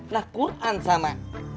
nah kuran sama